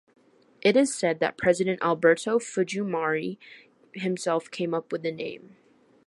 It is said that President Alberto Fujimori himself came up with the name.